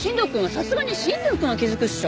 さすがに新藤くんは気づくっしょ。